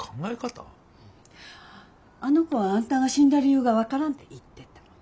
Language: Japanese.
あの子はあんたが死んだ理由が分からんって言ってた。